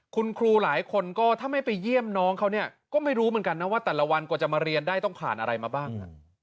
คุณครูหลายคนก็ถ้าไม่ไปเยี่ยมน้องเขาเนี่ยก็ไม่รู้เหมือนกันนะว่าแต่ละวันกว่าจะมาเรียนได้ต้องผ่านอะไรมาบ้าง